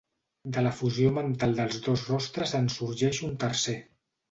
De la fusió mental dels dos rostres en sorgeix un tercer.